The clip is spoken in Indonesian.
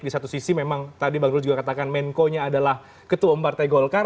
di satu sisi memang tadi bang guru juga katakan menko nya adalah ketua umum partai golkar